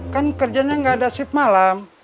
kan kerjanya gak ada sip malam